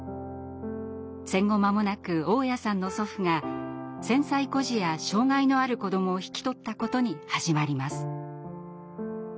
戦後間もなく雄谷さんの祖父が戦災孤児や障害のある子どもを引き取ったことに始まります。